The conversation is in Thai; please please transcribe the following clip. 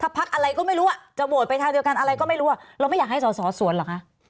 จะโหวนไปทางเดียวกันอะไรก็ไม่รู้